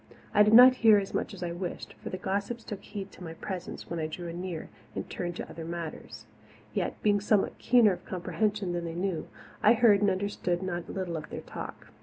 I did not hear as much as I wished, for the gossips took heed to my presence when I drew anear and turned to other matters. Yet, being somewhat keener of comprehension than they knew, I heard and understood not a little of their talk.